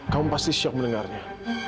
kamu pasti syok mendengarnya